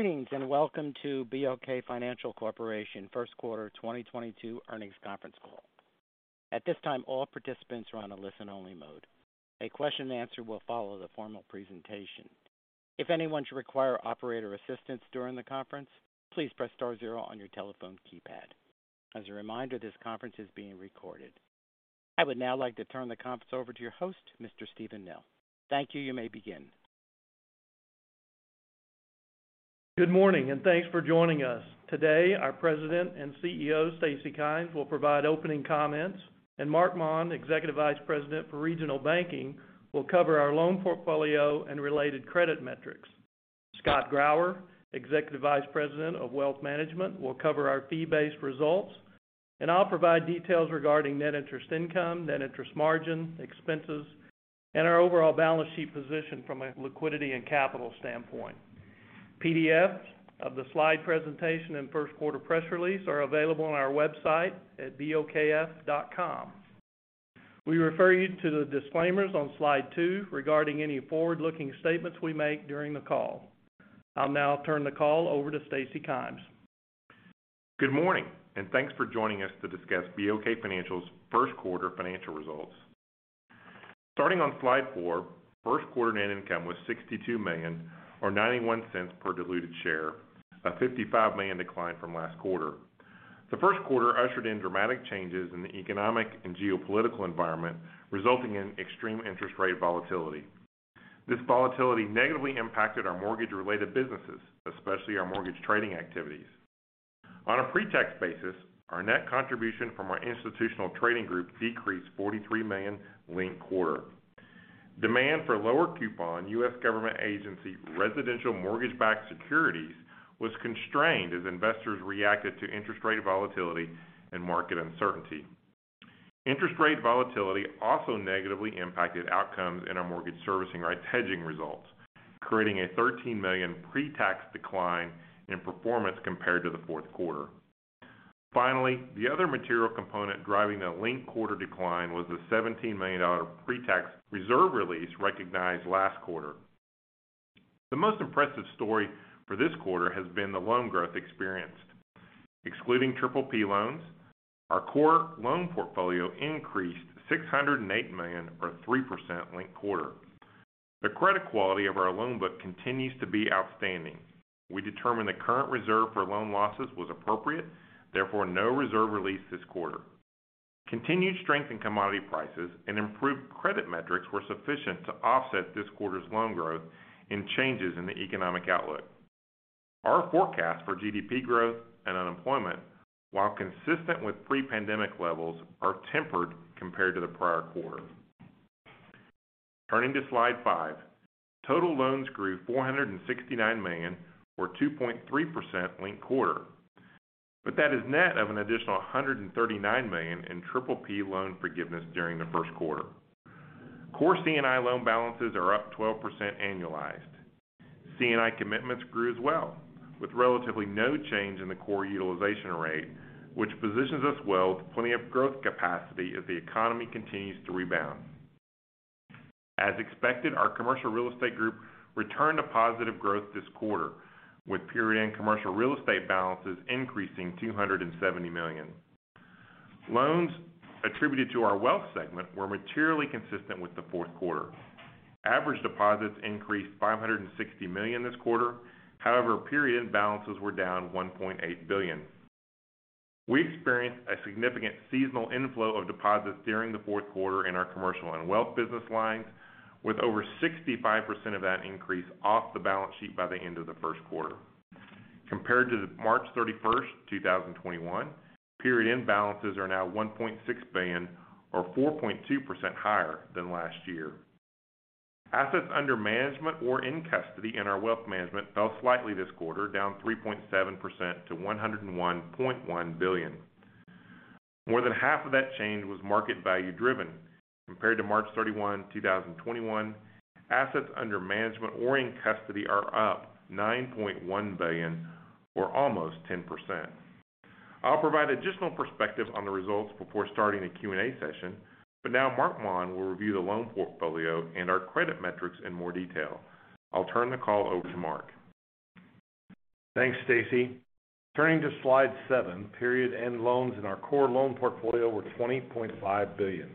Greetings and welcome to BOK Financial Corporation first quarter 2022 earnings conference call. At this time, all participants are on a listen-only mode. A question-and-answer will follow the formal presentation. If anyone should require operator assistance during the conference, please press star zero on your telephone keypad. As a reminder, this conference is being recorded. I would now like to turn the conference over to your host, Mr. Steven Nell. Thank you. You may begin. Good morning, and thanks for joining us. Today, our President and CEO, Stacy Kymes, will provide opening comments, and Marc Maun, Executive Vice President for Regional Banking, will cover our loan portfolio and related credit metrics. Scott Grauer, Executive Vice President of Wealth Management, will cover our fee-based results. I'll provide details regarding net interest income, net interest margin, expenses, and our overall balance sheet position from a liquidity and capital standpoint. PDFs of the slide presentation and first quarter press release are available on our website at bokf.com. We refer you to the disclaimers on slide two regarding any forward-looking statements we make during the call. I'll now turn the call over to Stacy Kymes. Good morning, and thanks for joining us to discuss BOK Financial's first quarter financial results. Starting on slide four, first quarter net income was $62 million or $0.91 per diluted share, a $55 million decline from last quarter. The first quarter ushered in dramatic changes in the economic and geopolitical environment, resulting in extreme interest rate volatility. This volatility negatively impacted our mortgage-related businesses, especially our mortgage trading activities. On a pre-tax basis, our net contribution from our institutional trading group decreased $43 million linked quarter. Demand for lower coupon U.S. government agency residential mortgage-backed securities was constrained as investors reacted to interest rate volatility and market uncertainty. Interest rate volatility also negatively impacted outcomes in our mortgage servicing rights hedging results, creating a $13 million pre-tax decline in performance compared to the fourth quarter. Finally, the other material component driving the linked-quarter decline was the $17 million pre-tax reserve release recognized last quarter. The most impressive story for this quarter has been the loan growth experienced. Excluding PPP loans, our core loan portfolio increased $608 million or 3% linked-quarter. The credit quality of our loan book continues to be outstanding. We determined the current reserve for loan losses was appropriate, therefore, no reserve release this quarter. Continued strength in commodity prices and improved credit metrics were sufficient to offset this quarter's loan growth in changes in the economic outlook. Our forecast for GDP growth and unemployment, while consistent with pre-pandemic levels, are tempered compared to the prior quarter. Turning to slide five, total loans grew $469 million or 2.3% linked-quarter. That is net of an additional $139 million in PPP loan forgiveness during the first quarter. Core C&I loan balances are up 12% annualized. C&I commitments grew as well, with relatively no change in the core utilization rate, which positions us well with plenty of growth capacity as the economy continues to rebound. As expected, our commercial real estate group returned to positive growth this quarter with period-end commercial real estate balances increasing $270 million. Loans attributed to our wealth segment were materially consistent with the fourth quarter. Average deposits increased $560 million this quarter. However, period-end balances were down $1.8 billion. We experienced a significant seasonal inflow of deposits during the fourth quarter in our commercial and wealth business lines, with over 65% of that increase off the balance sheet by the end of the first quarter. Compared to March 31st, 2021, period-end balances are now $1.6 billion or 4.2% higher than last year. Assets under management or in custody in our wealth management fell slightly this quarter, down 3.7% to $101.1 billion. More than half of that change was market value-driven. Compared to March 31, 2021, assets under management or in custody are up $9.1 billion or almost 10%. I'll provide additional perspective on the results before starting the Q&A session, but now Marc Maun will review the loan portfolio and our credit metrics in more detail. I'll turn the call over to Marc. Thanks, Stacy. Turning to slide seven, period-end loans in our core loan portfolio were $20.5 billion,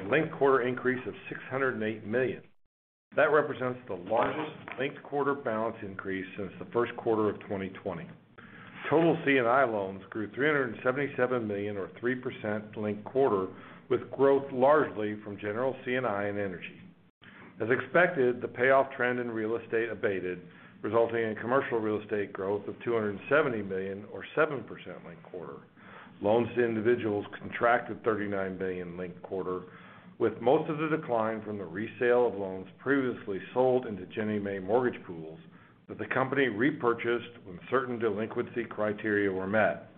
a linked quarter increase of $608 million. That represents the largest linked quarter balance increase since the first quarter of 2020. Total C&I loans grew $377 million or 3% linked quarter, with growth largely from general C&I and energy. As expected, the payoff trend in real estate abated, resulting in commercial real estate growth of $270 million or 7% linked quarter. Loans to individuals contracted $39 million linked quarter, with most of the decline from the resale of loans previously sold into Ginnie Mae mortgage pools that the company repurchased when certain delinquency criteria were met.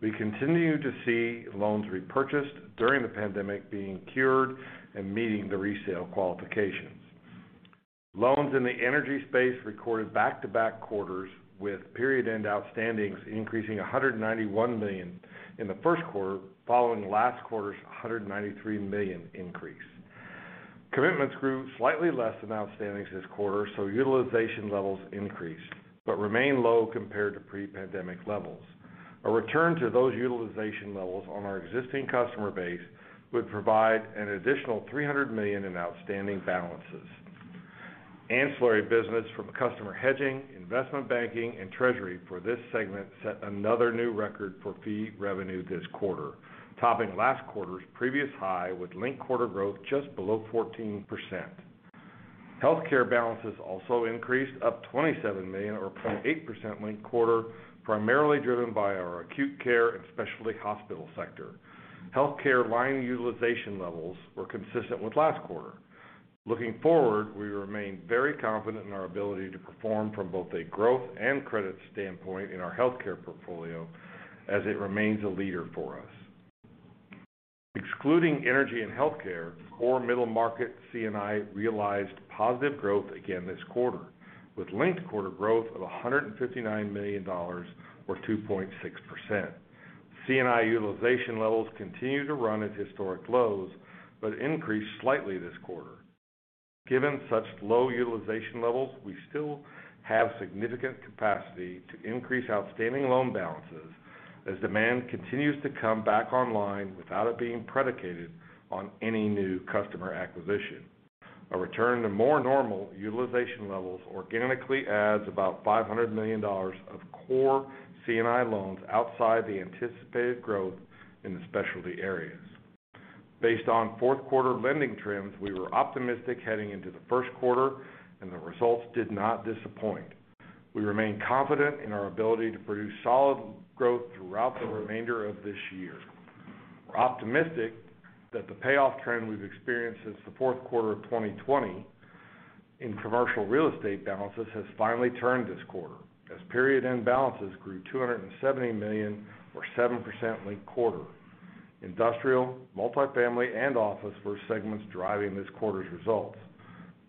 We continue to see loans repurchased during the pandemic being cured and meeting the resale qualifications. Loans in the energy space recorded back-to-back quarters, with period-end outstandings increasing $191 million in the first quarter following last quarter's $193 million increase. Commitments grew slightly less than outstandings this quarter, so utilization levels increased, but remain low compared to pre-pandemic levels. A return to those utilization levels on our existing customer base would provide an additional $300 million in outstanding balances. Ancillary business from customer hedging, investment banking, and treasury for this segment set another new record for fee revenue this quarter, topping last quarter's previous high with linked quarter growth just below 14%. Healthcare balances also increased, up $27 million or 0.8% linked quarter, primarily driven by our acute care and specialty hospital sector. Healthcare line utilization levels were consistent with last quarter. Looking forward, we remain very confident in our ability to perform from both a growth and credit standpoint in our healthcare portfolio as it remains a leader for us. Excluding energy and healthcare, core middle market C&I realized positive growth again this quarter, with linked quarter growth of $159 million or 2.6%. C&I utilization levels continue to run at historic lows, but increased slightly this quarter. Given such low utilization levels, we still have significant capacity to increase outstanding loan balances as demand continues to come back online without it being predicated on any new customer acquisition. A return to more normal utilization levels organically adds about $500 million of core C&I loans outside the anticipated growth in the specialty areas. Based on fourth quarter lending trends, we were optimistic heading into the first quarter, and the results did not disappoint. We remain confident in our ability to produce solid growth throughout the remainder of this year. We're optimistic that the payoff trend we've experienced since the fourth quarter of 2020 in commercial real estate balances has finally turned this quarter, as period-end balances grew $270 million or 7% linked quarter. Industrial, multifamily, and office were segments driving this quarter's results.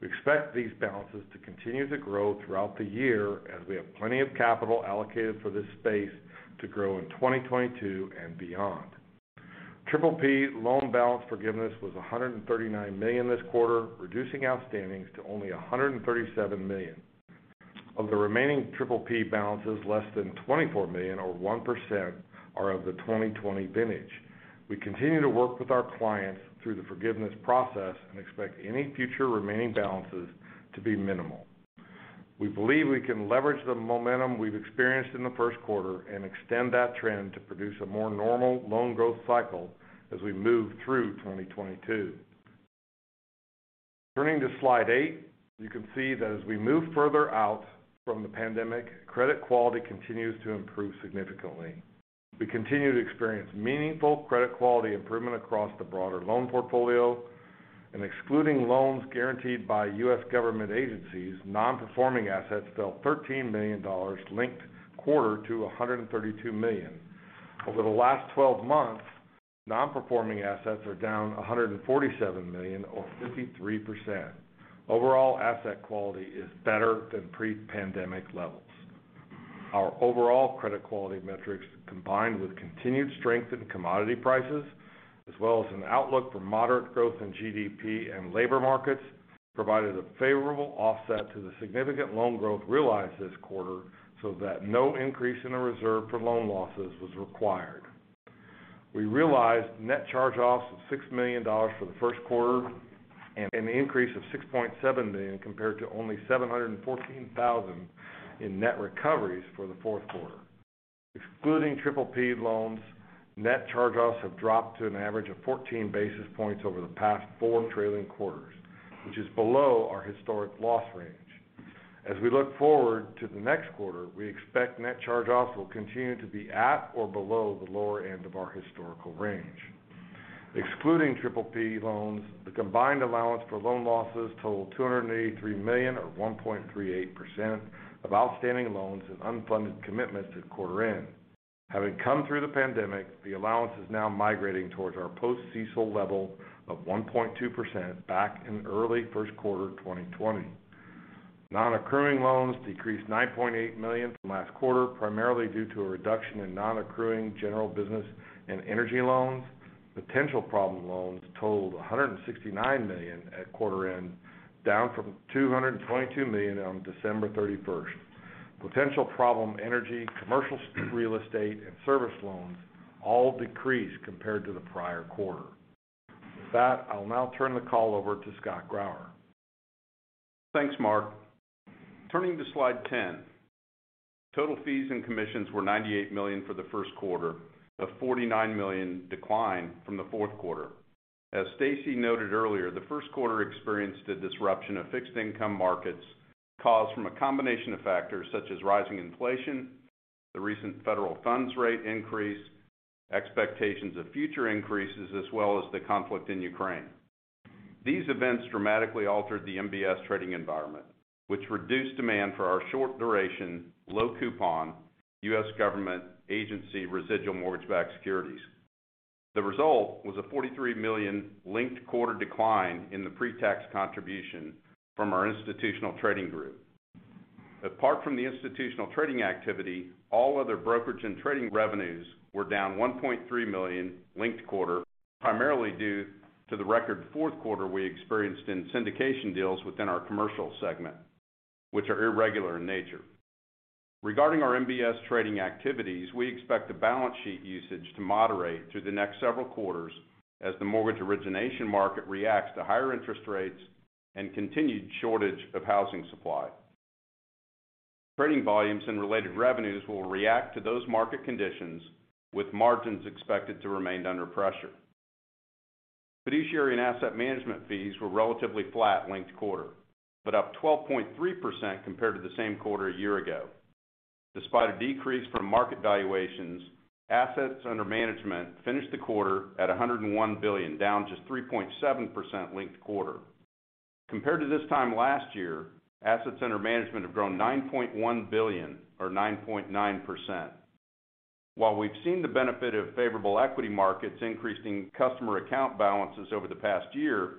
We expect these balances to continue to grow throughout the year, as we have plenty of capital allocated for this space to grow in 2022 and beyond. PPP loan balance forgiveness was $139 million this quarter, reducing outstandings to only $137 million. Of the remaining PPP balances, less than $24 million or 1% are of the 2020 vintage. We continue to work with our clients through the forgiveness process and expect any future remaining balances to be minimal. We believe we can leverage the momentum we've experienced in the first quarter and extend that trend to produce a more normal loan growth cycle as we move through 2022. Turning to slide eight, you can see that as we move further out from the pandemic, credit quality continues to improve significantly. We continue to experience meaningful credit quality improvement across the broader loan portfolio. Excluding loans guaranteed by U.S. government agencies, non-performing assets fell $13 million linked quarter to $132 million. Over the last 12 months, non-performing assets are down $147 million or 53%. Overall asset quality is better than pre-pandemic levels. Our overall credit quality metrics, combined with continued strength in commodity prices, as well as an outlook for moderate growth in GDP and labor markets, provided a favorable offset to the significant loan growth realized this quarter, so that no increase in the reserve for loan losses was required. We realized net charge-offs of $6 million for the first quarter and an increase of $6.7 million compared to only $714,000 in net recoveries for the fourth quarter. Excluding PPP loans, net charge-offs have dropped to an average of 14 basis points over the past four trailing quarters, which is below our historic loss range. As we look forward to the next quarter, we expect net charge-offs will continue to be at or below the lower end of our historical range. Excluding PPP loans, the combined allowance for loan losses totaled $283 million or 1.38% of outstanding loans and unfunded commitments at quarter end. Having come through the pandemic, the allowance is now migrating towards our post-CECL level of 1.2% back in early first quarter 2020. Non-accruing loans decreased $9.8 million from last quarter, primarily due to a reduction in non-accruing general business and energy loans. Potential problem loans totaled $169 million at quarter end, down from $222 million on December 31st. Potential problem energy, commercial real estate, and service loans all decreased compared to the prior quarter. With that, I'll now turn the call over to Scott Grauer. Thanks, Marc. Turning to slide 10, total fees and commissions were $98 million for the first quarter, a $49 million decline from the fourth quarter. As Stacy noted earlier, the first quarter experienced a disruption of fixed income markets caused from a combination of factors such as rising inflation, the recent federal funds rate increase, expectations of future increases, as well as the conflict in Ukraine. These events dramatically altered the MBS trading environment, which reduced demand for our short duration, low coupon, U.S. government agency residual mortgage-backed securities. The result was a $43 million linked quarter decline in the pre-tax contribution from our institutional trading group. Apart from the institutional trading activity, all other brokerage and trading revenues were down $1.3 million linked quarter, primarily due to the record fourth quarter we experienced in syndication deals within our commercial segment, which are irregular in nature. Regarding our MBS trading activities, we expect the balance sheet usage to moderate through the next several quarters as the mortgage origination market reacts to higher interest rates and continued shortage of housing supply. Trading volumes and related revenues will react to those market conditions, with margins expected to remain under pressure. Fiduciary and asset management fees were relatively flat linked quarter, but up 12.3% compared to the same quarter a year ago. Despite a decrease from market valuations, assets under management finished the quarter at $101 billion, down just 3.7% linked quarter. Compared to this time last year, assets under management have grown $9.1 billion or 9.9%. While we've seen the benefit of favorable equity markets increasing customer account balances over the past year,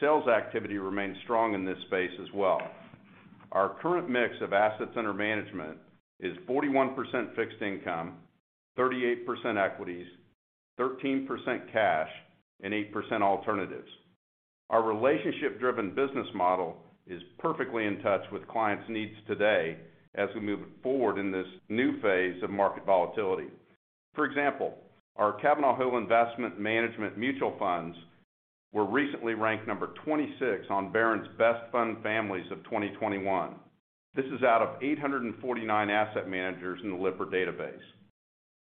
sales activity remains strong in this space as well. Our current mix of assets under management is 41% fixed income, 38% equities, 13% cash, and 8% alternatives. Our relationship-driven business model is perfectly in touch with clients' needs today as we move forward in this new phase of market volatility. For example, our Cavanal Hill Investment Management mutual funds were recently ranked number 26 on Barron's Best Fund Families of 2021. This is out of 849 asset managers in the Lipper database.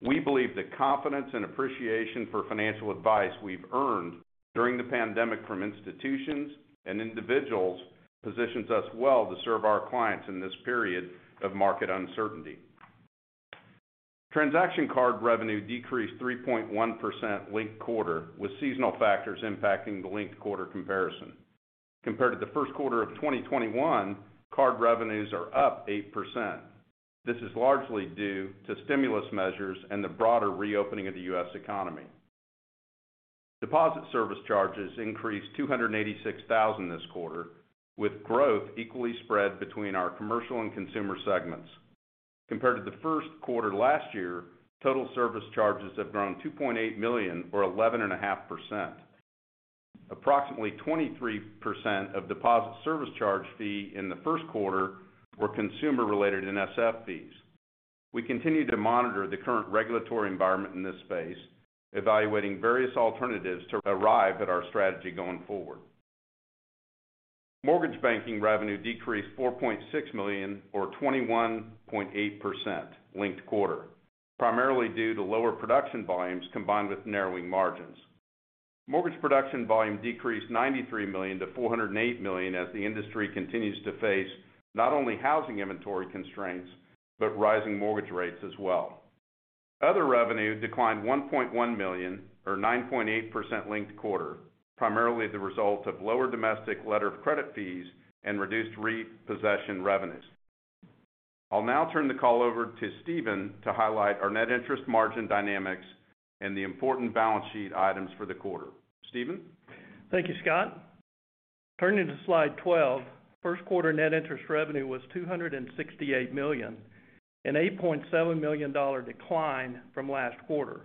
We believe the confidence and appreciation for financial advice we've earned during the pandemic from institutions and individuals positions us well to serve our clients in this period of market uncertainty. Transaction card revenue decreased 3.1% linked-quarter, with seasonal factors impacting the linked-quarter comparison. Compared to the first quarter of 2021, card revenues are up 8%. This is largely due to stimulus measures and the broader reopening of the U.S. economy. Deposit service charges increased $286,000 this quarter, with growth equally spread between our commercial and consumer segments. Compared to the first quarter last year, total service charges have grown $2.8 million or 11.5%. Approximately 23% of deposit service charge fee in the first quarter were consumer-related NSF fees. We continue to monitor the current regulatory environment in this space, evaluating various alternatives to arrive at our strategy going forward. Mortgage banking revenue decreased $4.6 million or 21.8% linked quarter, primarily due to lower production volumes combined with narrowing margins. Mortgage production volume decreased $93 million to $408 million as the industry continues to face not only housing inventory constraints, but rising mortgage rates as well. Other revenue declined $1.1 million or 9.8% linked quarter, primarily the result of lower domestic letter of credit fees and reduced repossession revenues. I'll now turn the call over to Steven to highlight our net interest margin dynamics and the important balance sheet items for the quarter. Steven? Thank you, Scott. Turning to slide 12, first quarter net interest revenue was $268 million, a $8.7 million decline from last quarter.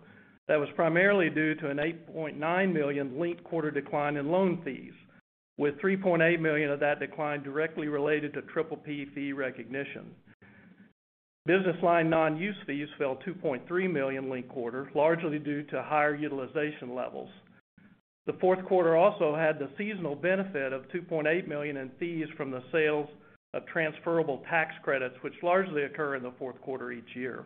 That was primarily due to a $8.9 million linked quarter decline in loan fees, with $3.8 million of that decline directly related to PPP fee recognition. Business line non-use fees fell $2.3 million linked quarter, largely due to higher utilization levels. The fourth quarter also had the seasonal benefit of $2.8 million in fees from the sales of transferable tax credits, which largely occur in the fourth quarter each year.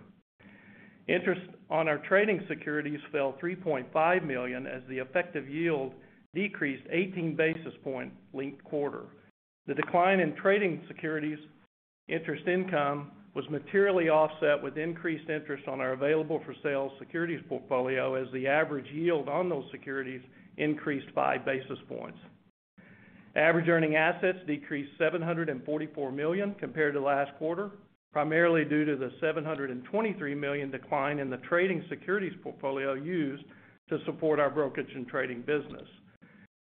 Interest on our trading securities fell $3.5 million as the effective yield decreased 18 basis points linked quarter. The decline in trading securities interest income was materially offset with increased interest on our available-for-sale securities portfolio as the average yield on those securities increased five basis points. Average earning assets decreased $744 million compared to last quarter, primarily due to the $723 million decline in the trading securities portfolio used to support our brokerage and trading business.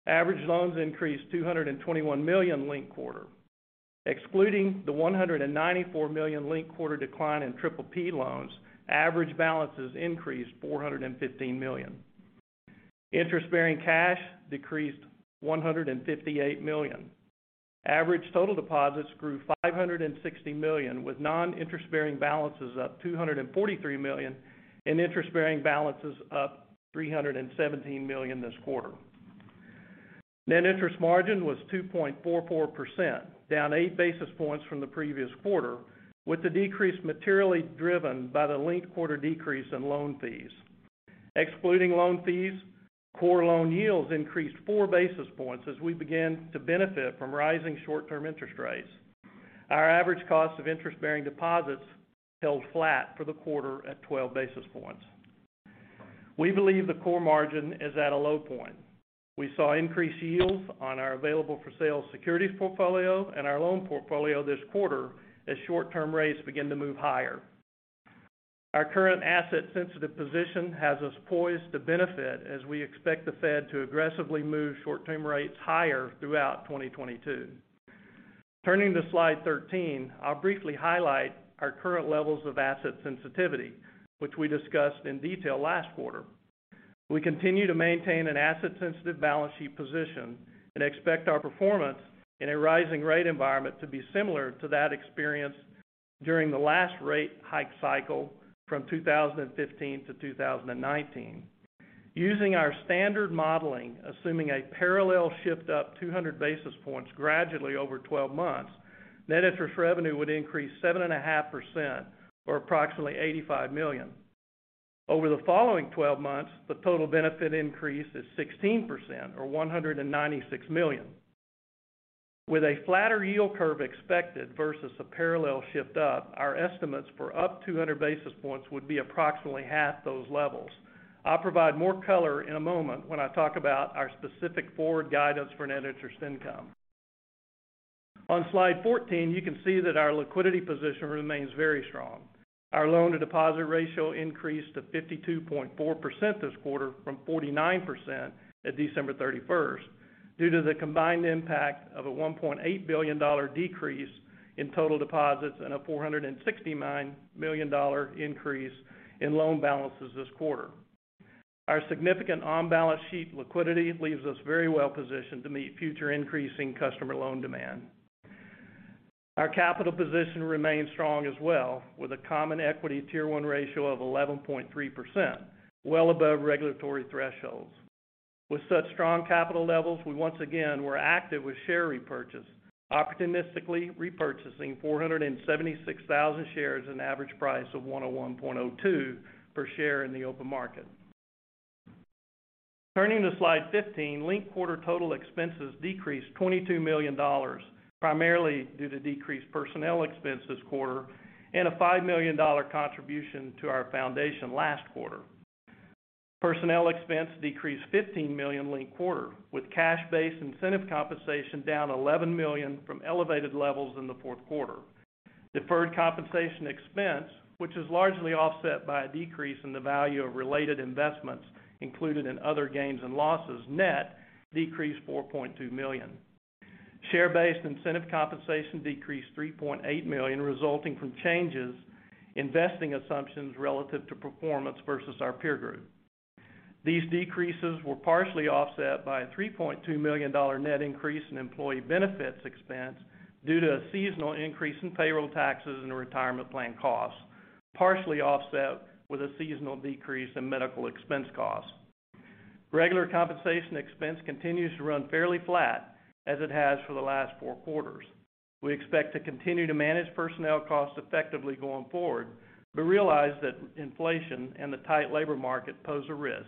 Average loans increased $221 million linked quarter. Excluding the $194 million linked quarter decline in PPP loans, average balances increased $415 million. Interest-bearing cash decreased $158 million. Average total deposits grew $560 million, with non-interest-bearing balances up $243 million and interest-bearing balances up $317 million this quarter. Net interest margin was 2.44%, down 8 basis points from the previous quarter, with the decrease materially driven by the linked quarter decrease in loan fees. Excluding loan fees, core loan yields increased 4 basis points as we begin to benefit from rising short-term interest rates. Our average cost of interest-bearing deposits held flat for the quarter at 12 basis points. We believe the core margin is at a low point. We saw increased yields on our available-for-sale securities portfolio and our loan portfolio this quarter as short-term rates begin to move higher. Our current asset sensitive position has us poised to benefit as we expect the Fed to aggressively move short term rates higher throughout 2022. Turning to slide 13, I'll briefly highlight our current levels of asset sensitivity, which we discussed in detail last quarter. We continue to maintain an asset sensitive balance sheet position and expect our performance in a rising rate environment to be similar to that experienced during the last rate hike cycle from 2015-2019. Using our standard modeling, assuming a parallel shift up 200 basis points gradually over 12 months, net interest revenue would increase 7.5% or approximately $85 million. Over the following 12 months, the total benefit increase is 16% or $196 million. With a flatter yield curve expected versus a parallel shift up, our estimates for up 200 basis points would be approximately half those levels. I'll provide more color in a moment when I talk about our specific forward guidance for net interest income. On slide 14, you can see that our liquidity position remains very strong. Our loan-to-deposit ratio increased to 52.4% this quarter from 49% at December 31st due to the combined impact of a $1.8 billion decrease in total deposits and a $469 million increase in loan balances this quarter. Our significant on-balance-sheet liquidity leaves us very well positioned to meet future increasing customer loan demand. Our capital position remains strong as well, with a Common Equity Tier 1 ratio of 11.3%, well above regulatory thresholds. With such strong capital levels, we once again were active with share repurchase, opportunistically repurchasing 476,000 shares at an average price of $101.02 per share in the open market. Turning to slide 15, linked-quarter total expenses decreased $22 million, primarily due to decreased personnel expense this quarter and a $5 million contribution to our foundation last quarter. Personnel expense decreased $15 million linked-quarter, with cash-based incentive compensation down $11 million from elevated levels in the fourth quarter. Deferred compensation expense, which is largely offset by a decrease in the value of related investments included in other gains and losses, net, decreased $4.2 million. Share-based incentive compensation decreased $3.8 million, resulting from changes in vesting assumptions relative to performance versus our peer group. These decreases were partially offset by a $3.2 million net increase in employee benefits expense due to a seasonal increase in payroll taxes and retirement plan costs, partially offset by a seasonal decrease in medical expense costs. Regular compensation expense continues to run fairly flat as it has for the last four quarters. We expect to continue to manage personnel costs effectively going forward, but realize that inflation and the tight labor market pose a risk.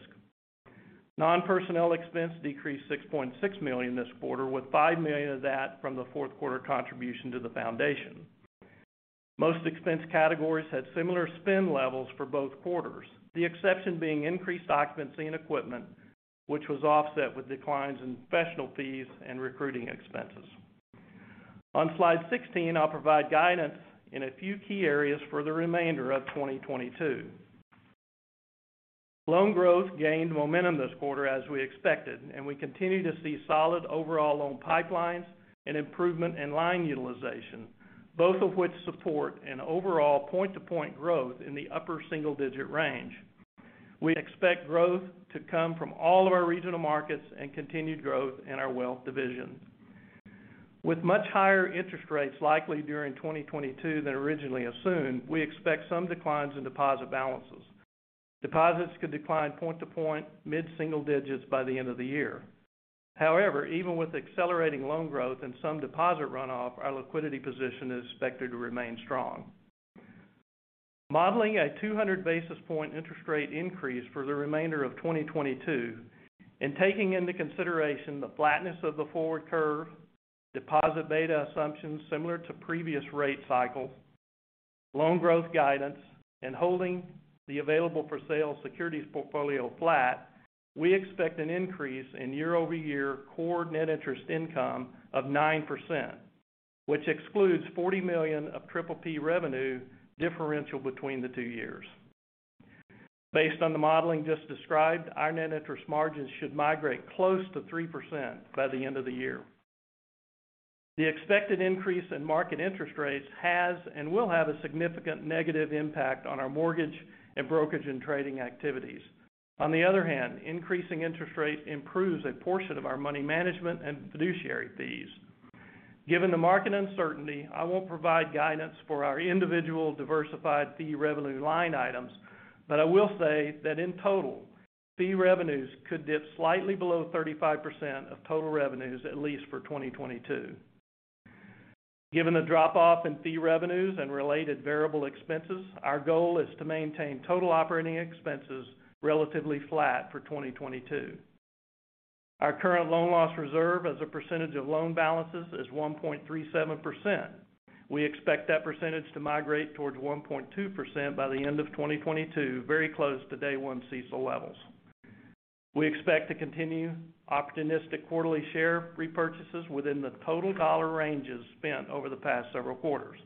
Non-personnel expense decreased $6.6 million this quarter, with $5 million of that from the fourth quarter contribution to the foundation. Most expense categories had similar spend levels for both quarters, the exception being increased occupancy and equipment, which was offset with declines in professional fees and recruiting expenses. On slide 16, I'll provide guidance in a few key areas for the remainder of 2022. Loan growth gained momentum this quarter as we expected, and we continue to see solid overall loan pipelines and improvement in line utilization, both of which support an overall point to point growth in the upper single digit range. We expect growth to come from all of our regional markets and continued growth in our wealth division. With much higher interest rates likely during 2022 than originally assumed, we expect some declines in deposit balances. Deposits could decline point-to-point mid-single digits by the end of the year. However, even with accelerating loan growth and some deposit runoff, our liquidity position is expected to remain strong. Modeling a 200 basis point interest rate increase for the remainder of 2022 and taking into consideration the flatness of the forward curve, deposit beta assumptions similar to previous rate cycles, loan growth guidance, and holding the available for sale securities portfolio flat, we expect an increase in year-over-year core net interest income of 9%, which excludes $40 million of PPP revenue differential between the two years. Based on the modeling just described, our net interest margins should migrate close to 3% by the end of the year. The expected increase in market interest rates has and will have a significant negative impact on our mortgage and brokerage and trading activities. On the other hand, increasing interest rate improves a portion of our money management and fiduciary fees. Given the market uncertainty, I won't provide guidance for our individual diversified fee revenue line items, but I will say that in total, fee revenues could dip slightly below 35% of total revenues, at least for 2022. Given the drop off in fee revenues and related variable expenses, our goal is to maintain total operating expenses relatively flat for 2022. Our current loan loss reserve as a percentage of loan balances is 1.37%. We expect that percentage to migrate towards 1.2% by the end of 2022, very close to day one CECL levels. We expect to continue opportunistic quarterly share repurchases within the total dollar ranges spent over the past several quarters.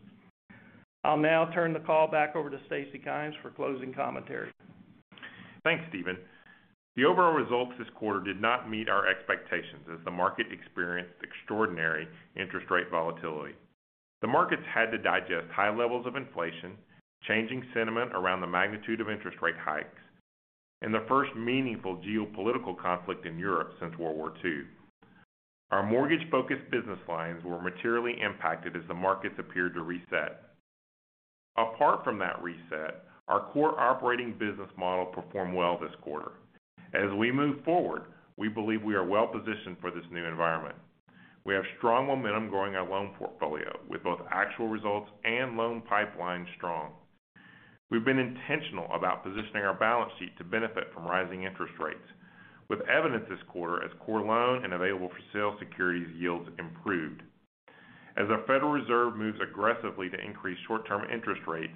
I'll now turn the call back over to Stacy Kymes for closing commentary. Thanks, Steven. The overall results this quarter did not meet our expectations as the market experienced extraordinary interest rate volatility. The markets had to digest high levels of inflation, changing sentiment around the magnitude of interest rate hikes, and the first meaningful geopolitical conflict in Europe since World War II. Our mortgage-focused business lines were materially impacted as the markets appeared to reset. Apart from that reset, our core operating business model performed well this quarter. As we move forward, we believe we are well positioned for this new environment. We have strong momentum growing our loan portfolio with both actual results and loan pipeline strong. We've been intentional about positioning our balance sheet to benefit from rising interest rates with evidence this quarter as core loan and available for sale securities yields improved. As our Federal Reserve moves aggressively to increase short-term interest rates,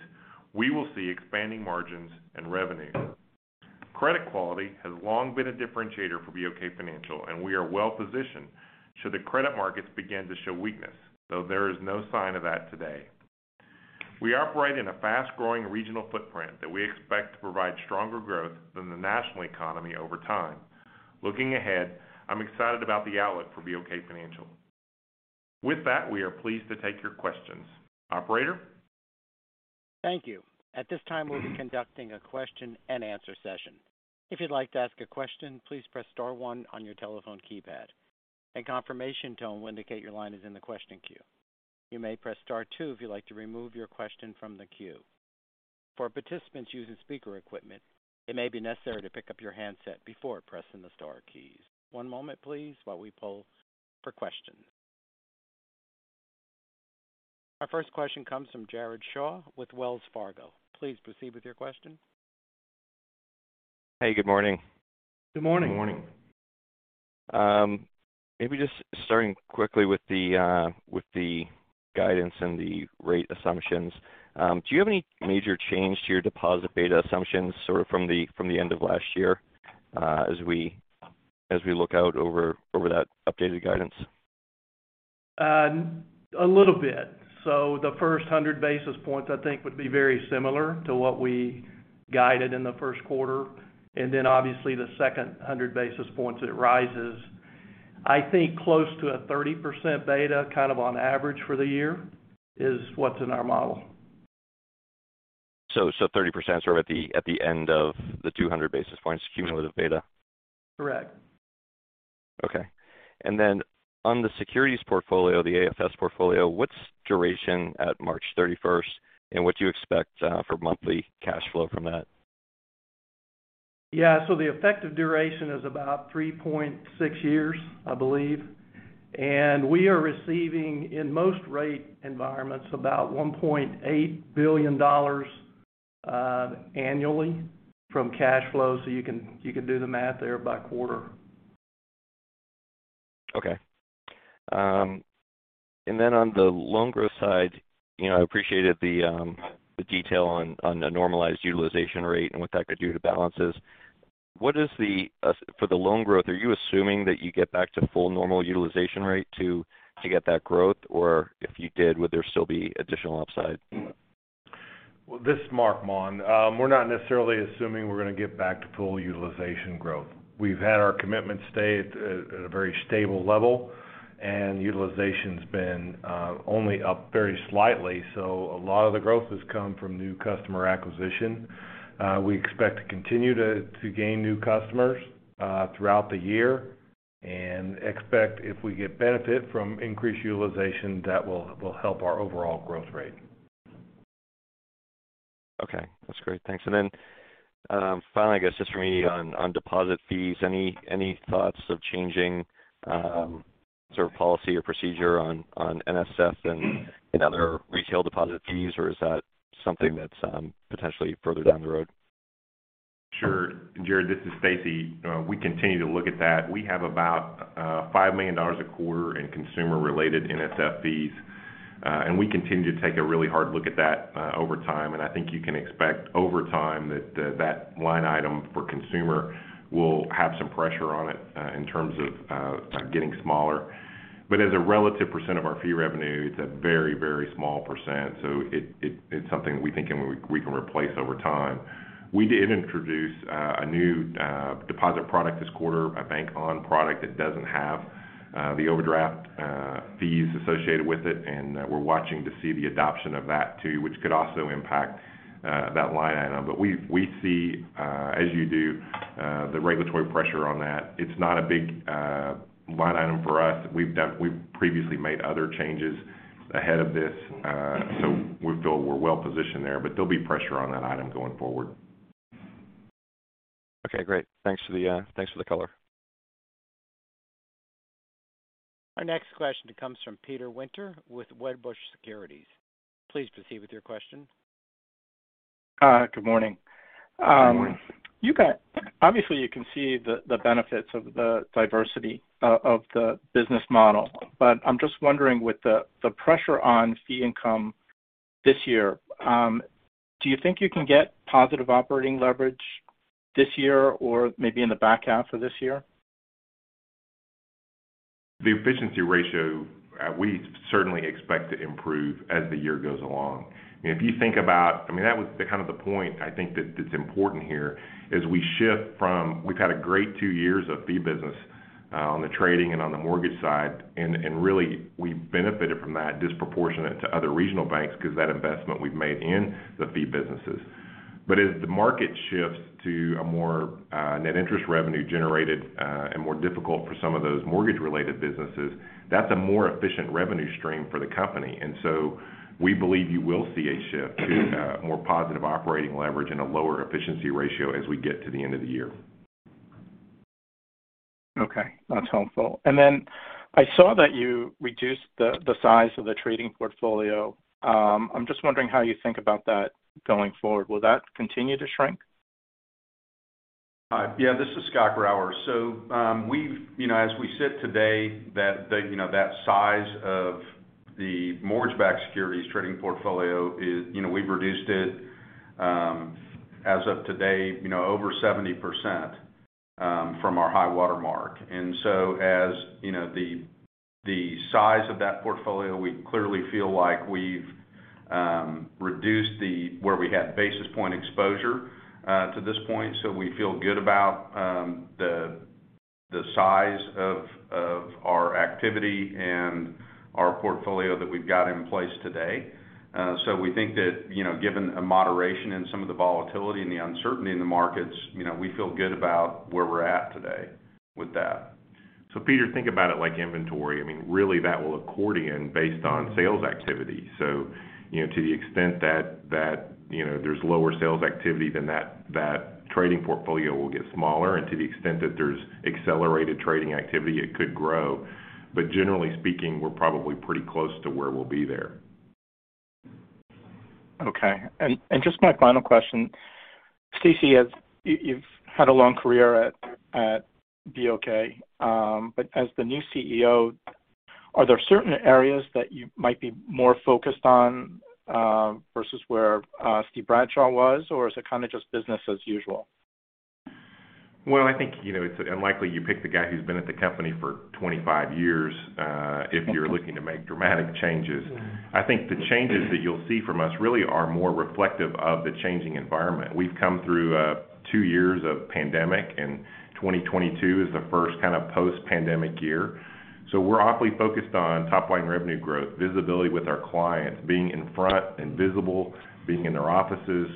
we will see expanding margins and revenue. Credit quality has long been a differentiator for BOK Financial, and we are well positioned should the credit markets begin to show weakness, though there is no sign of that today. We operate in a fast-growing regional footprint that we expect to provide stronger growth than the national economy over time. Looking ahead, I'm excited about the outlook for BOK Financial. With that, we are pleased to take your questions. Operator? Thank you. At this time, we'll be conducting a question-and-answer session. If you'd like to ask a question, please press star one on your telephone keypad. A confirmation tone will indicate your line is in the question queue. You may press star two if you'd like to remove your question from the queue. For participants using speaker equipment, it may be necessary to pick up your handset before pressing the star keys. One moment, please, while we poll for questions. Our first question comes from Jared Shaw with Wells Fargo. Please proceed with your question. Hey, good morning. Good morning. Good morning. Maybe just starting quickly with the guidance and the rate assumptions. Do you have any major change to your deposit beta assumptions sort of from the end of last year as we look out over that updated guidance? A little bit. The first 100 basis points, I think, would be very similar to what we guided in the first quarter, and then obviously the second 100 basis points, it rises. I think close to a 30% beta kind of on average for the year is what's in our model. 30% sort of at the end of the 200 basis points cumulative beta? Correct. Okay. On the securities portfolio, the AFS portfolio, what's duration at March 31st, and what do you expect for monthly cash flow from that? Yeah. The effective duration is about 3.6 years, I believe. We are receiving, in most rate environments, about $1.8 billion annually from cash flow. You can do the math there by quarter. Okay. On the loan growth side, you know, I appreciated the detail on a normalized utilization rate and what that could do to balances. As for the loan growth, are you assuming that you get back to full normal utilization rate to get that growth, or if you did, would there still be additional upside? Well, this is Marc Maun. We're not necessarily assuming we're going to get back to full utilization growth. We've had our commitment stay at a very stable level, and utilization's been only up very slightly. A lot of the growth has come from new customer acquisition. We expect to continue to gain new customers throughout the year and expect if we get benefit from increased utilization, that will help our overall growth rate. Okay, that's great. Thanks. Then, finally, I guess just for me on deposit fees, any thoughts of changing sort of policy or procedure on NSF and other retail deposit fees? Or is that something that's potentially further down the road? Sure. Jared, this is Stacy. We continue to look at that. We have about $5 million a quarter in consumer-related NSF fees. We continue to take a really hard look at that over time. I think you can expect over time that line item for consumer will have some pressure on it in terms of getting smaller. As a relative percent of our fee revenue, it's a very, very small percent. It's something we think and we can replace over time. We did introduce a new deposit product this quarter, a Bank On product that doesn't have the overdraft fees associated with it. We're watching to see the adoption of that too, which could also impact that line item. We see, as you do, the regulatory pressure on that. It's not a big line item for us. We've previously made other changes ahead of this, so we feel we're well-positioned there. There'll be pressure on that item going forward. Okay, great. Thanks for the color. Our next question comes from Peter Winter with Wedbush Securities. Please proceed with your question. Hi, good morning. Good morning. Good morning. Obviously, you can see the benefits of the diversity of the business model. I'm just wondering, with the pressure on fee income this year. Do you think you can get positive operating leverage this year or maybe in the back half of this year? The efficiency ratio, we certainly expect to improve as the year goes along. If you think about, I mean, that was the kind of point I think that's important here, is we shift from we've had a great two years of fee business on the trading and on the mortgage side, and really we benefited from that disproportionate to other regional banks because that investment we've made in the fee businesses. As the market shifts to a more net interest revenue generated and more difficult for some of those mortgage-related businesses, that's a more efficient revenue stream for the company. We believe you will see a shift to more positive operating leverage and a lower efficiency ratio as we get to the end of the year. Okay, that's helpful. I saw that you reduced the size of the trading portfolio. I'm just wondering how you think about that going forward. Will that continue to shrink? This is Scott Grauer. We've, you know, as we sit today, that size of the mortgage-backed securities trading portfolio is, you know, we've reduced it, as of today, you know, over 70%, from our high-water mark. As you know, the size of that portfolio, we clearly feel like we've reduced to where we had basis point exposure to this point. We feel good about the size of our activity and our portfolio that we've got in place today. We think that, you know, given a moderation in some of the volatility and the uncertainty in the markets, you know, we feel good about where we're at today with that. Peter, think about it like inventory. I mean, really that will accordion based on sales activity. You know, to the extent that, you know, there's lower sales activity than that, trading portfolio will get smaller, and to the extent that there's accelerated trading activity, it could grow. Generally speaking, we're probably pretty close to where we'll be there. Okay. Just my final question. Stacy, as you've had a long career at BOK, but as the new CEO, are there certain areas that you might be more focused on versus where Steve Bradshaw was? Or is it kind of just business as usual? Well, I think, you know, it's unlikely you pick the guy who's been at the company for 25 years if you're looking to make dramatic changes. I think the changes that you'll see from us really are more reflective of the changing environment. We've come through two years of pandemic, and 2022 is the first kind of post-pandemic year. So we're awfully focused on top line revenue growth, visibility with our clients, being in front and visible, being in their offices,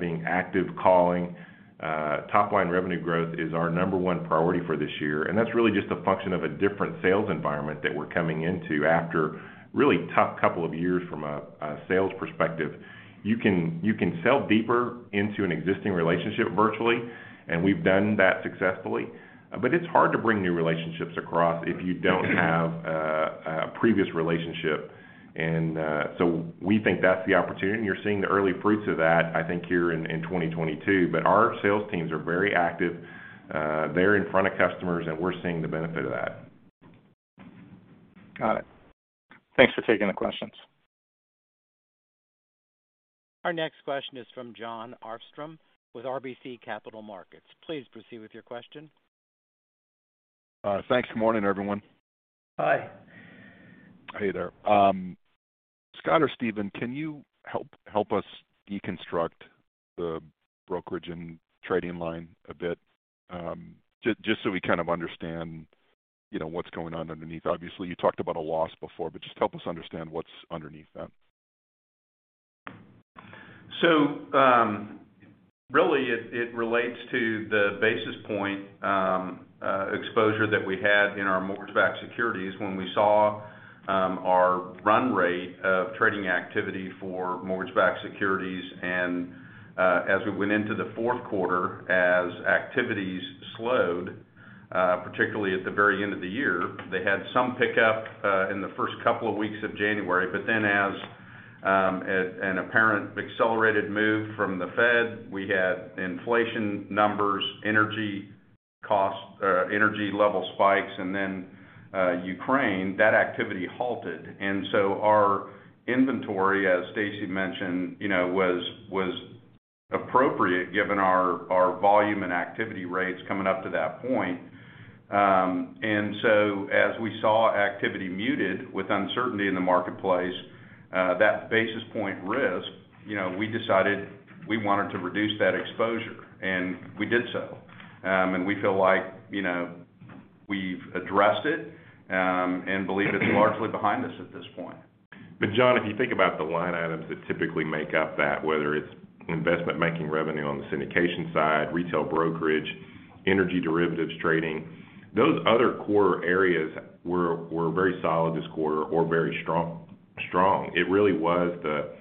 being active, calling. Top line revenue growth is our number one priority for this year. That's really just a function of a different sales environment that we're coming into after really tough couple of years from a sales perspective. You can sell deeper into an existing relationship virtually, and we've done that successfully. It's hard to bring new relationships across if you don't have previous relationship. We think that's the opportunity. You're seeing the early fruits of that, I think, here in 2022, but our sales teams are very active. They're in front of customers, and we're seeing the benefit of that. Got it. Thanks for taking the questions. Our next question is from Jon Arfstrom with RBC Capital Markets. Please proceed with your question. Thanks. Good morning, everyone. Hi. Hey there. Scott or Steven, can you help us deconstruct the brokerage and trading line a bit, just so we kind of understand, you know, what's going on underneath? Obviously, you talked about a loss before, but just help us understand what's underneath that. Really, it relates to the basis point exposure that we had in our mortgage-backed securities when we saw our run rate of trading activity for mortgage-backed securities. As we went into the fourth quarter, as activities slowed, particularly at the very end of the year, they had some pickup in the first couple of weeks of January. As an apparent accelerated move from the Fed, we had inflation numbers, energy costs, energy level spikes, and then Ukraine, that activity halted. Our inventory, as Stacy mentioned, you know, was appropriate given our volume and activity rates coming up to that point. As we saw activity muted with uncertainty in the marketplace, that basis point risk, you know, we decided we wanted to reduce that exposure, and we did so. We feel like, you know, we've addressed it, and believe it's largely behind us at this point. Jon, if you think about the line items that typically make up that, whether it's investment banking revenue on the syndication side, retail brokerage, energy derivatives trading, those other core areas were very solid this quarter or very strong. It really was the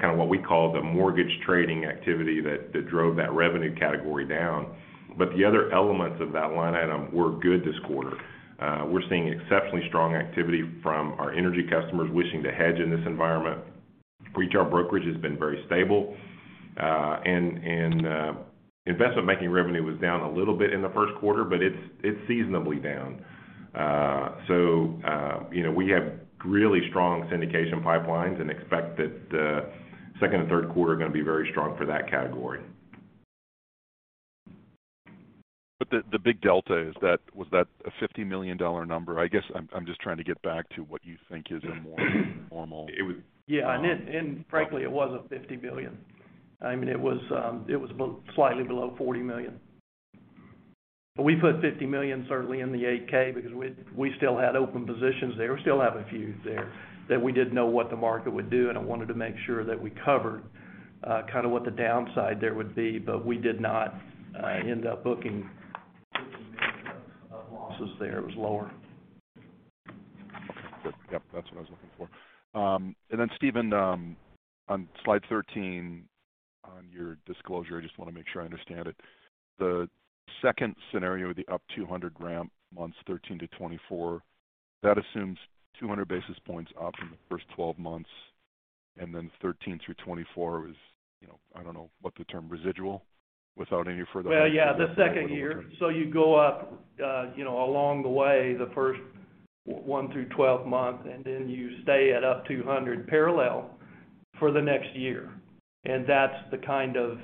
kind of what we call the mortgage trading activity that drove that revenue category down, but the other elements of that line item were good this quarter. We're seeing exceptionally strong activity from our energy customers wishing to hedge in this environment. Retail brokerage has been very stable. Investment banking revenue was down a little bit in the first quarter, but it's seasonally down. You know, we have really strong syndication pipelines and expect that the second and third quarter are gonna be very strong for that category. The big delta is that. Was that a $50 million number? I guess I'm just trying to get back to what you think is a more normal. It was- Yeah. Frankly, it wasn't $50 million. I mean, it was about slightly below $40 million. We put $50 million certainly in the 8-K because we still had open positions there. We still have a few there that we didn't know what the market would do, and I wanted to make sure that we covered kind of what the downside there would be. We did not end up booking losses there. It was lower. Okay, good. Yep, that's what I was looking for. Steven, on slide 13 on your disclosure, I just wanna make sure I understand it. The second scenario, the up 200 ramp months 13-24, that assumes 200 basis points up in the first 12 months, and then 13 through 24 is, you know, I don't know what the term, residual without any further. Yeah, the second year. You go up, you know, along the way, the first one through 12 months, and then you stay up 200 parallel for the next year. That's the kind of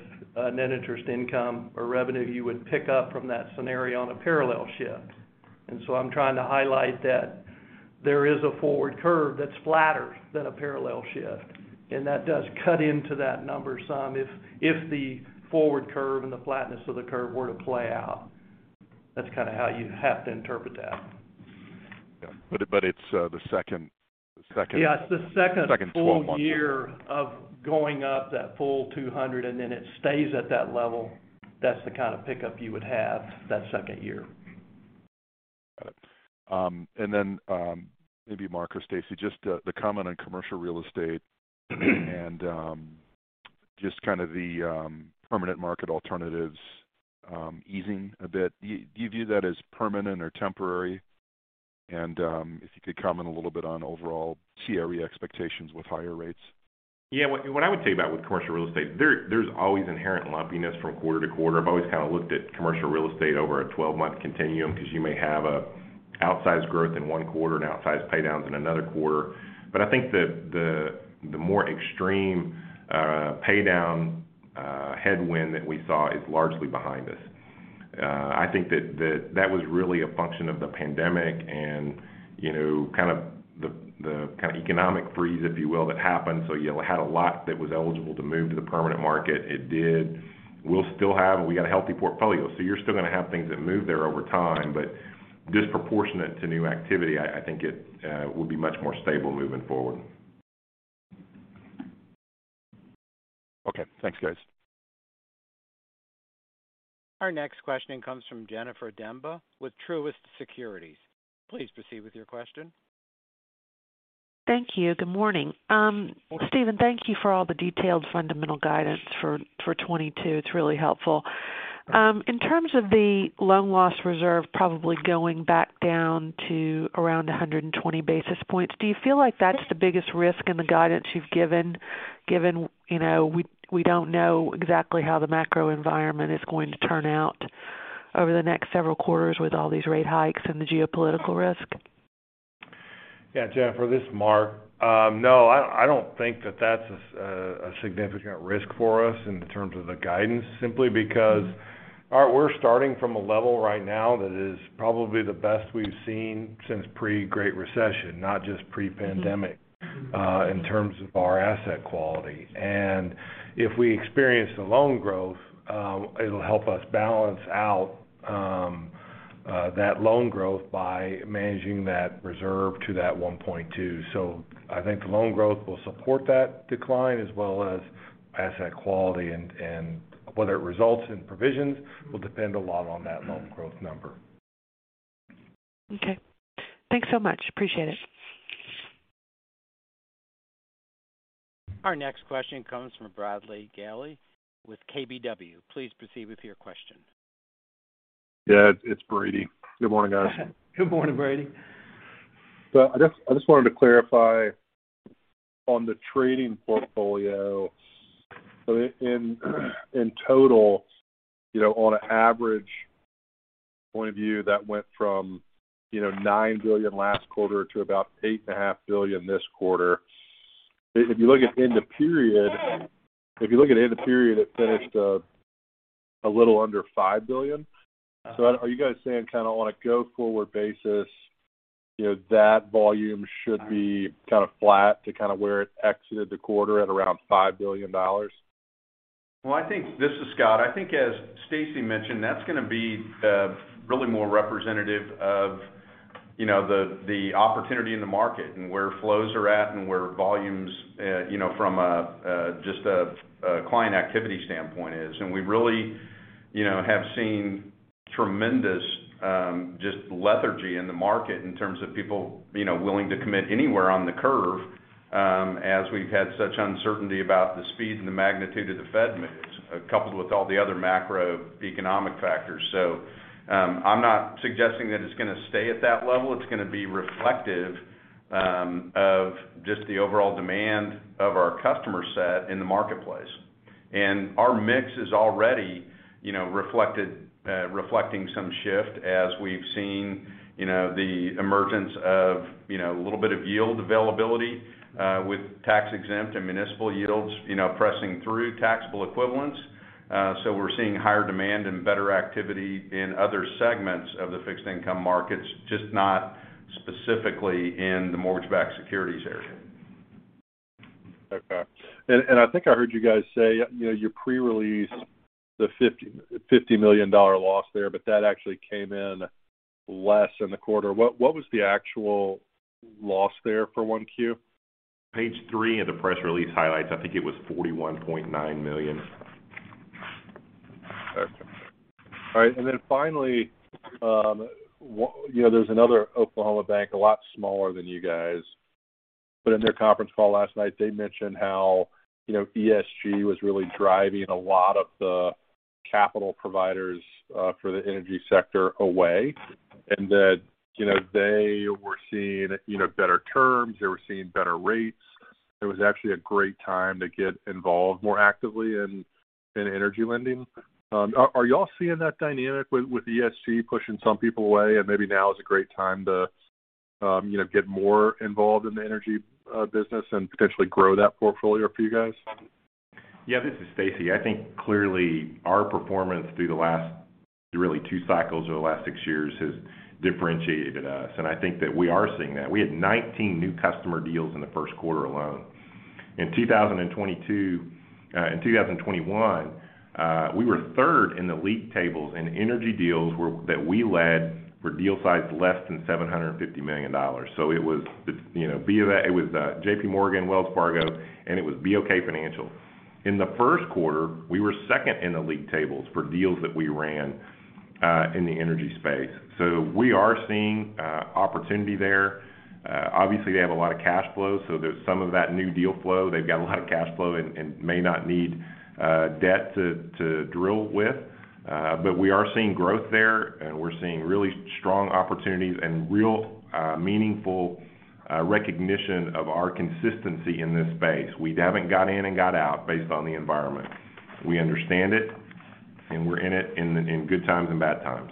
net interest income or revenue you would pick up from that scenario on a parallel shift. I'm trying to highlight that there is a forward curve that's flatter than a parallel shift, and that does cut into that number some if the forward curve and the flatness of the curve were to play out. That's kinda how you have to interpret that. Yeah. It's the second Yeah, it's the second. Second 12 months. Full year of going up that full 200, and then it stays at that level. That's the kind of pickup you would have that second year. Got it. Maybe Marc or Stacy, just the comment on commercial real estate and just kind of the permanent market alternatives easing a bit. Do you view that as permanent or temporary? If you could comment a little bit on overall CRE expectations with higher rates. Yeah. What I would say about with commercial real estate, there's always inherent lumpiness from quarter-to-quarter. I've always kind of looked at commercial real estate over a twelve-month continuum because you may have a outsized growth in one quarter and outsized pay downs in another quarter. I think the more extreme pay down headwind that we saw is largely behind us. I think that was really a function of the pandemic and, you know, kind of the economic freeze, if you will, that happened. You had a lot that was eligible to move to the permanent market. It did. We'll still have a healthy portfolio, so you're still gonna have things that move there over time. Disproportionate to new activity, I think it will be much more stable moving forward. Okay. Thanks, guys. Our next question comes from Jennifer Demba with Truist Securities. Please proceed with your question. Thank you. Good morning. Morning. Steven, thank you for all the detailed fundamental guidance for 2022. It's really helpful. In terms of the loan loss reserve probably going back down to around 120 basis points, do you feel like that's the biggest risk in the guidance you've given you know we don't know exactly how the macro environment is going to turn out over the next several quarters with all these rate hikes and the geopolitical risk? Yeah. Jennifer, this is Marc. No, I don't think that's a significant risk for us in terms of the guidance, simply because we're starting from a level right now that is probably the best we've seen since pre-Great Recession, not just pre-pandemic. Mm-hmm. In terms of our asset quality. If we experience the loan growth, it'll help us balance out that loan growth by managing that reserve to that 1.2. I think the loan growth will support that decline as well as asset quality. Whether it results in provisions will depend a lot on that loan growth number. Okay. Thanks so much. Appreciate it. Our next question comes from Brady Gailey with KBW. Please proceed with your question. Yeah. It's Brady. Good morning, guys. Good morning, Brady. I just wanted to clarify on the trading portfolio. In total, you know, on an average point of view, that went from, you know, $9 billion last quarter to about $8.5 billion this quarter. If you look at end of period, it finished a little under $5 billion. Yeah. Are you guys saying kind of on a go forward basis, you know, that volume should be kind of flat to kind of where it exited the quarter at around $5 billion? This is Scott. I think as Stacy mentioned, that's gonna be really more representative of you know the opportunity in the market and where flows are at and where volumes you know from just a client activity standpoint is. We really you know have seen tremendous just lethargy in the market in terms of people you know willing to commit anywhere on the curve as we've had such uncertainty about the speed and the magnitude of the Fed moves, coupled with all the other macroeconomic factors. I'm not suggesting that it's gonna stay at that level. It's gonna be reflective of just the overall demand of our customer set in the marketplace. Our mix is already, you know, reflected, reflecting some shift as we've seen, you know, the emergence of, you know, a little bit of yield availability, with tax-exempt and municipal yields, you know, pressing through taxable equivalents. So we're seeing higher demand and better activity in other segments of the fixed income markets, just not specifically in the mortgage-backed securities area. Okay. I think I heard you guys say, you know, you pre-released the $50 million loss there, but that actually came in less in the quarter. What was the actual loss there for 1Q? Page three of the press release highlights, I think it was $41.9 million. Okay. All right. Finally, you know, there's another Oklahoma bank, a lot smaller than you guys. In their conference call last night, they mentioned how, you know, ESG was really driving a lot of the capital providers for the energy sector away, and that, you know, they were seeing better terms, they were seeing better rates. It was actually a great time to get involved more actively in energy lending. Are y'all seeing that dynamic with ESG pushing some people away, and maybe now is a great time to get more involved in the energy business and potentially grow that portfolio for you guys? Yeah, this is Stacy. I think clearly our performance through the last really two cycles or the last six years has differentiated us, and I think that we are seeing that. We had 19 new customer deals in the first quarter alone. In 2021, we were third in the league tables, and energy deals that we led were deal sized less than $750 million. It was, you know, B of A, with JPMorgan, Wells Fargo, and BOK Financial. In the first quarter, we were second in the league tables for deals that we ran in the energy space. We are seeing opportunity there. Obviously, they have a lot of cash flow, so there's some of that new deal flow. They've got a lot of cash flow and may not need debt to drill with, but we are seeing growth there, and we're seeing really strong opportunities and real meaningful recognition of our consistency in this space. We haven't got in and got out based on the environment. We understand it, and we're in it in good times and bad times.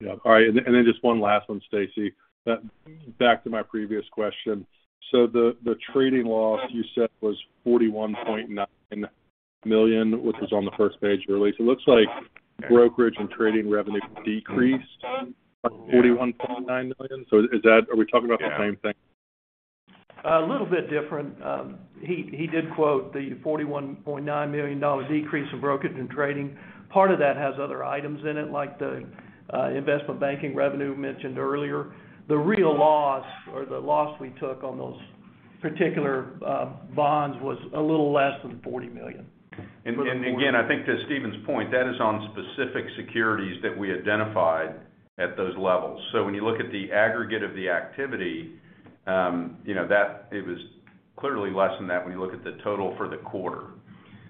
Yeah. All right. Just one last one, Stacy. Back to my previous question. The trading loss you said was $41.9 million, which was on the first page release. It looks like brokerage and trading revenue decreased $41.9 million. Is that? Are we talking about the same thing? A little bit different. He did quote the $41.9 million decrease in brokerage and trading. Part of that has other items in it, like the investment banking revenue mentioned earlier. The real loss or the loss we took on those particular bonds was a little less than $40 million. Again, I think to Steven's point, that is on specific securities that we identified at those levels. When you look at the aggregate of the activity, you know, that it was clearly less than that when you look at the total for the quarter.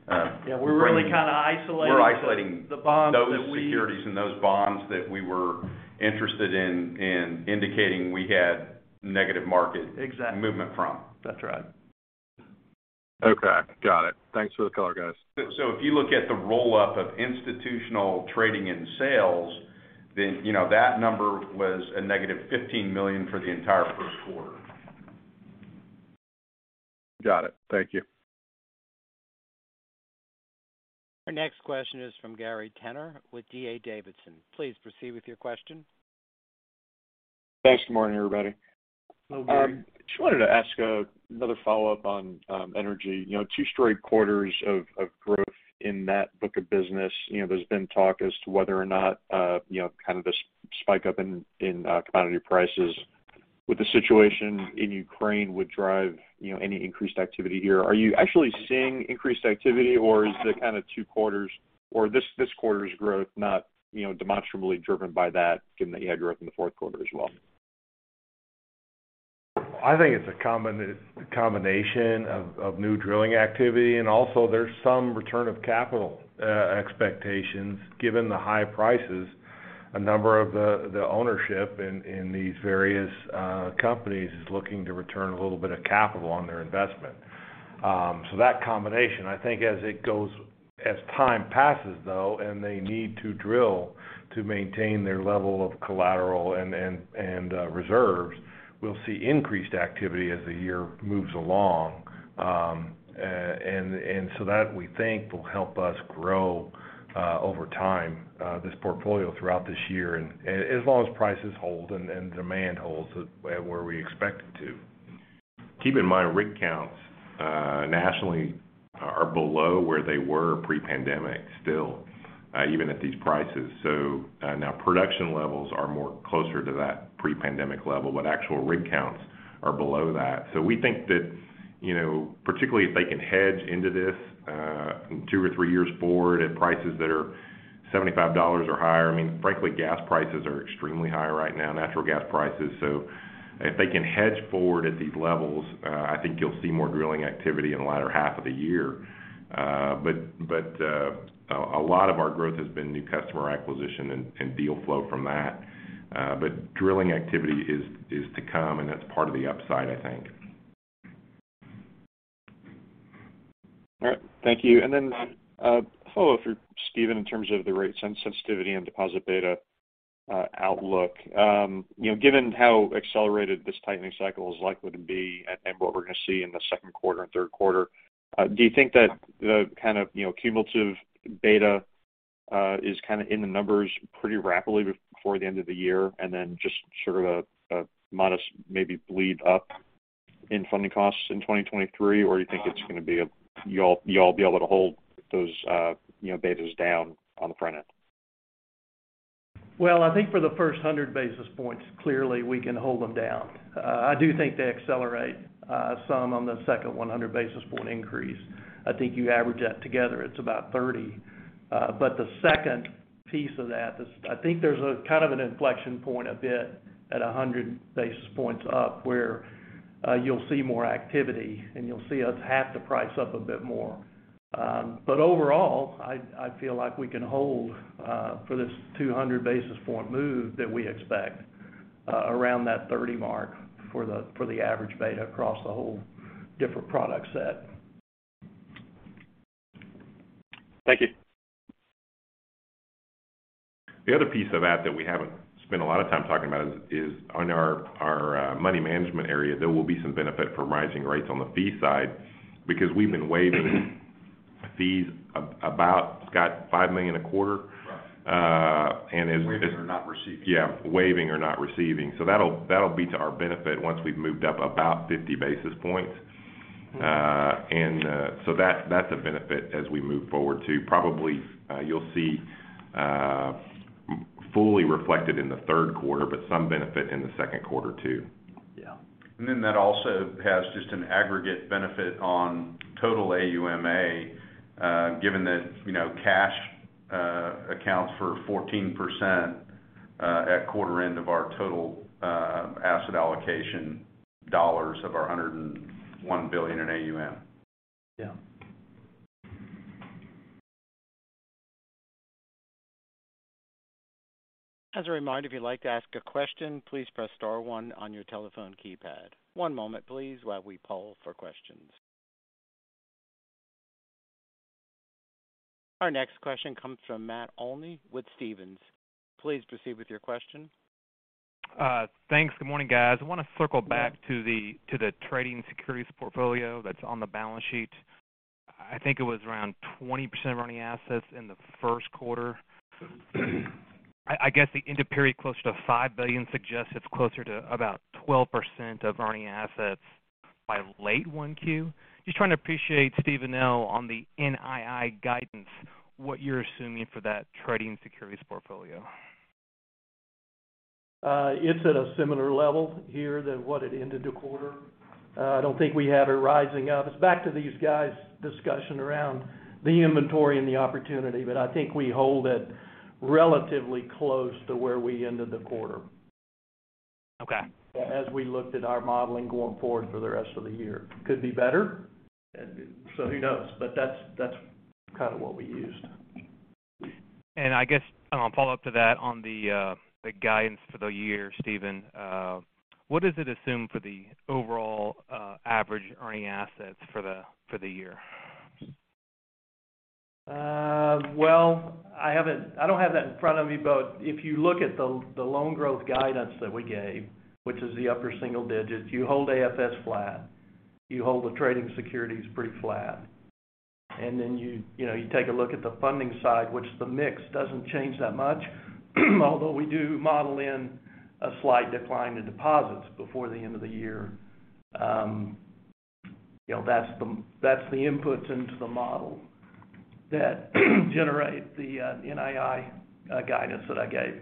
Yeah, we're really kind of isolating the bonds that we- We're isolating those securities and those bonds that we were interested in, indicating we had negative market. Exactly. -movement from. That's right. Okay. Got it. Thanks for the color, guys. If you look at the roll-up of institutional trading and sales, then, you know, that number was a -$15 million for the entire first quarter. Got it. Thank you. Our next question is from Gary Tenner with D.A. Davidson. Please proceed with your question. Thanks. Good morning, everybody. Hello, Gary. Just wanted to ask another follow-up on energy. You know, two straight quarters of growth in that book of business. You know, there's been talk as to whether or not you know, kind of a spike up in commodity prices with the situation in Ukraine would drive you know, any increased activity here. Are you actually seeing increased activity or is the kind of two quarters or this quarter's growth not you know, demonstrably driven by that, given that you had growth in the fourth quarter as well? I think it's a combination of new drilling activity and also there's some return of capital expectations given the high prices. A number of the ownership in these various companies is looking to return a little bit of capital on their investment. That combination, I think as it goes, as time passes, though, and they need to drill to maintain their level of collateral and reserves, we'll see increased activity as the year moves along. We think will help us grow over time this portfolio throughout this year. As long as prices hold and demand holds where we expect it to. Keep in mind, rig counts nationally are below where they were pre-pandemic still, even at these prices. Now production levels are more closer to that pre-pandemic level, but actual rig counts are below that. We think that, you know, particularly if they can hedge into this, two or three years forward at prices that are $75 or higher, I mean, frankly, gas prices are extremely high right now, natural gas prices. If they can hedge forward at these levels, I think you'll see more drilling activity in the latter half of the year, but lot of our growth has been new customer acquisition and deal flow from that. Drilling activity is to come, and that's part of the upside, I think. All right. Thank you. Then a follow-up for Steven in terms of the rate sensitivity and deposit beta outlook. You know, given how accelerated this tightening cycle is likely to be and what we're gonna see in the second quarter and third quarter, do you think that the kind of, you know, cumulative beta is kinda in the numbers pretty rapidly before the end of the year, and then just sort of a modest maybe bleed up in funding costs in 2023, or you think it's gonna be You all be able to hold those, you know, betas down on the front end? Well, I think for the first 100 basis points, clearly we can hold them down. I do think they accelerate, some on the second 100 basis point increase. I think you average that together, it's about 30. But the second piece of that is I think there's a kind of an inflection point a bit at 100 basis points up, where you'll see more activity, and you'll see us have to price up a bit more. But overall, I feel like we can hold for this 200 basis point move that we expect, around that 30 mark for the average beta across the whole different product set. Thank you. The other piece of that that we haven't spent a lot of time talking about is on our money management area, there will be some benefit from rising rates on the fee side because we've been waiving fees about, Scott, $5 million a quarter. Right. Uh, and as- Waiving or not receiving. Yeah. Waiving or not receiving. That'll be to our benefit once we've moved up about 50 basis points. That's a benefit as we move forward too. Probably, you'll see fully reflected in the third quarter, but some benefit in the second quarter too. Yeah. That also has just an aggregate benefit on total AUMA, given that, you know, cash accounts for 14% at quarter end of our total asset allocation dollars of our $101 billion in AUM. Yeah. As a reminder, if you'd like to ask a question, please press star one on your telephone keypad. One moment, please, while we poll for questions. Our next question comes from Matt Olney with Stephens. Please proceed with your question. Thanks. Good morning, guys. I wanna circle back to the trading securities portfolio that's on the balance sheet. I think it was around 20% of earning assets in the first quarter. I guess the end of period closer to $5 billion suggests it's closer to about 12% of earning assets by late 1Q. Just trying to appreciate, Steven Nell, on the NII guidance, what you're assuming for that trading securities portfolio. It's at a similar level here than what it ended the quarter. I don't think we have it rising up. It's back to these guys' discussion around the inventory and the opportunity, but I think we hold it relatively close to where we ended the quarter. Okay. As we looked at our modeling going forward for the rest of the year. Could be better, so who knows? That's kinda what we used. I guess, and I'll follow up to that on the guidance for the year, Steven. What does it assume for the overall, average earning assets for the year? Well, I don't have that in front of me, but if you look at the loan growth guidance that we gave, which is the upper single digits, you hold AFS flat. You hold the trading securities pretty flat. You know, you take a look at the funding side, which the mix doesn't change that much, although we do model in a slight decline in deposits before the end of the year. You know, that's the inputs into the model that generate the NII guidance that I gave.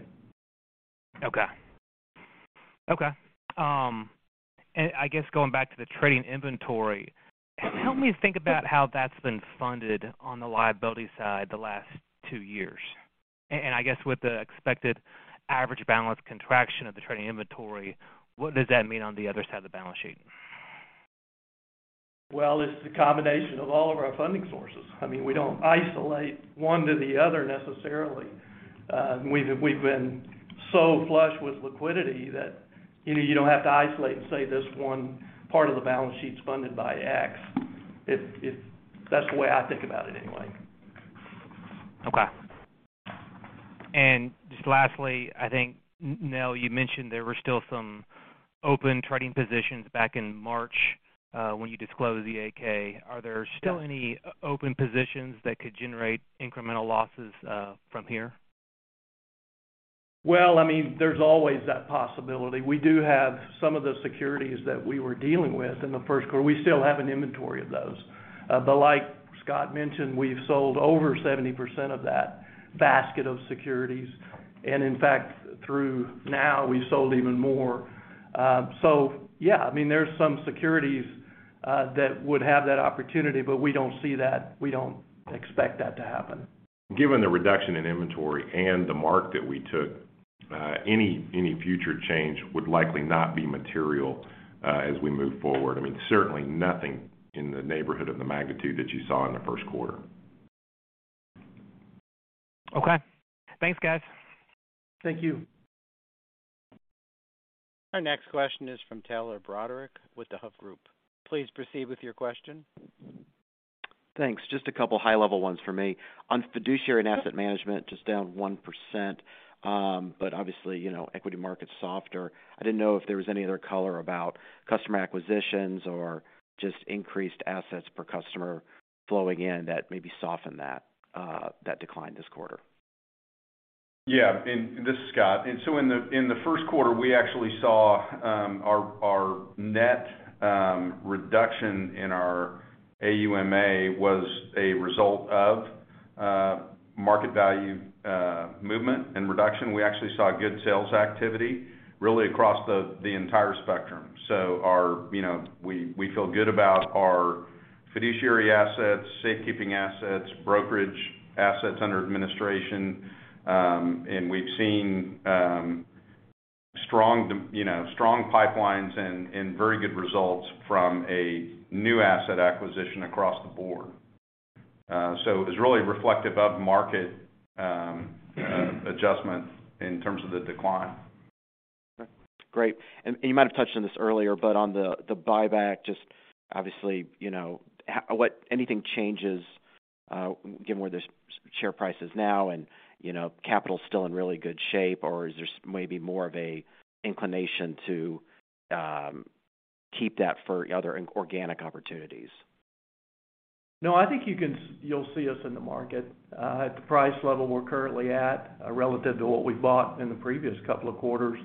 Okay. I guess going back to the trading inventory, help me think about how that's been funded on the liability side the last two years. I guess with the expected average balance contraction of the trading inventory, what does that mean on the other side of the balance sheet? Well, it's the combination of all of our funding sources. I mean, we don't isolate one to the other necessarily. We've been so flush with liquidity that, you know, you don't have to isolate and say this one part of the balance sheet's funded by X. That's the way I think about it anyway. Just lastly, I think, Nell, you mentioned there were still some open trading positions back in March, when you disclosed the 8-K. Are there still any open positions that could generate incremental losses, from here? Well, I mean, there's always that possibility. We do have some of the securities that we were dealing with in the first quarter. We still have an inventory of those. Like Scott mentioned, we've sold over 70% of that basket of securities. In fact, through now we've sold even more. Yeah, I mean, there's some securities that would have that opportunity, but we don't expect that to happen. Given the reduction in inventory and the mark that we took, any future change would likely not be material as we move forward. I mean, certainly nothing in the neighborhood of the magnitude that you saw in the first quarter. Okay. Thanks, guys. Thank you. Our next question is from Taylor Broderick with The Hovde Group. Please proceed with your question. Thanks. Just a couple high-level ones for me. On fiduciary and asset management, just down 1%. But obviously, you know, equity market's softer. I didn't know if there was any other color about customer acquisitions or just increased assets per customer flowing in that maybe softened that decline this quarter. This is Scott. In the first quarter, we actually saw our net reduction in our AUMA was a result of market value movement and reduction. We actually saw good sales activity really across the entire spectrum. Our, you know, we feel good about our fiduciary assets, safekeeping assets, brokerage assets under administration. And we've seen strong, you know, strong pipelines and very good results from a new asset acquisition across the board. So it's really reflective of market adjustment in terms of the decline. Great. You might have touched on this earlier, but on the buyback, just obviously, you know, what anything changes, given where the share price is now and, you know, capital's still in really good shape or is there maybe more of an inclination to keep that for other organic opportunities? No, I think you'll see us in the market. At the price level we're currently at, relative to what we've bought in the previous couple of quarters,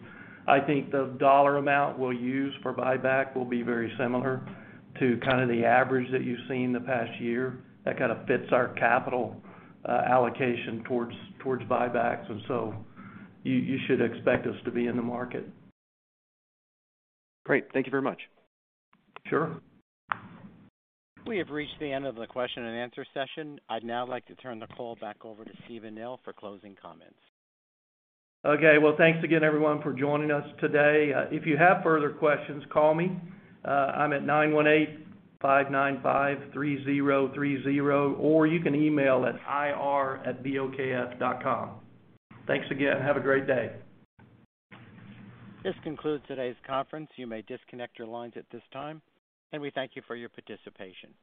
I think the dollar amount we'll use for buyback will be very similar to kinda the average that you've seen in the past year. That kinda fits our capital allocation towards buybacks. You should expect us to be in the market. Great. Thank you very much. Sure. We have reached the end of the question-and answer session. I'd now like to turn the call back over to Steven Nell for closing comments. Okay. Well, thanks again, everyone, for joining us today. If you have further questions, call me. I'm at 918-595-3030, or you can email at ir@bokf.com. Thanks again. Have a great day. This concludes today's conference. You may disconnect your lines at this time, and we thank you for your participation.